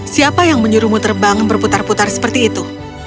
siapa yang menyuruhmu terbang berputar putar seperti itu